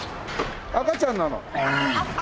赤ちゃんなの？